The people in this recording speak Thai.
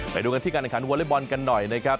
ไปดูกันที่การแข่งขันวอเล็กบอลกันหน่อยนะครับ